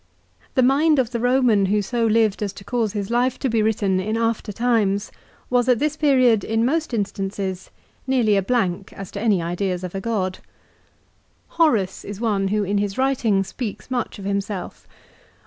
The mind of the Eoman who so lived as to cause his life to be written in after times was at this period, in most instances, nearly a blank as to any ideas of a God. Horace is one who in his writing speaks much of himself.